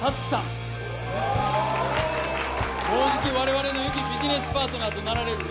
もうじき我々のよきビジネスパートナーとなられる